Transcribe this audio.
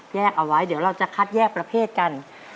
แยกเอาไว้เดี๋ยวเราจะคัดแยกประเภทกัน